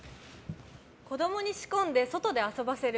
子供に仕込んで、外で遊ばせる。